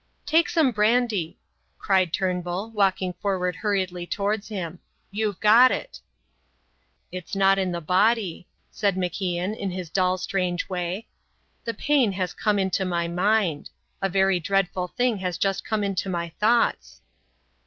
"Take some brandy," cried Turnbull, walking forward hurriedly towards him. "You've got it." "It's not in the body," said MacIan, in his dull, strange way. "The pain has come into my mind. A very dreadful thing has just come into my thoughts."